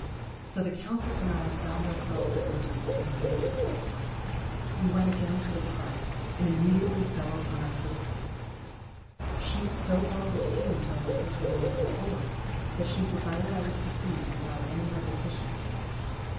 So the Cou>,tejs and I found our felves at Liberty, in the Evening : We went again to the Park, and immediately fell upon our Syftems ; She fo well retained what I told her the Night before, that file defirM I would proceed without any Repetition.